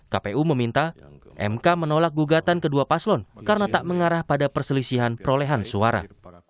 kpu meminta mk menolak gugatan kedua paslon karena tak mengarah pada perselisihan perolehan suara